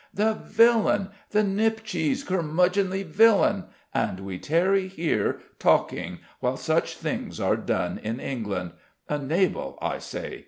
"The villain! The nipcheese curmudgeonly villain! And we tarry here, talking, while such things are done in England! A Nabal, I say.